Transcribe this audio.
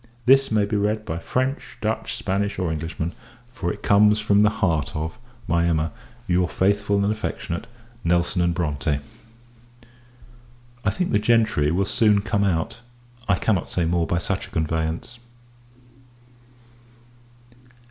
This may be read by French, Dutch, Spanish, or Englishmen; for it comes from the heart of, my Emma, your faithful and affectionate NELSON & BRONTE. I think the gentry will soon come out. I cannot say more by such a conveyance.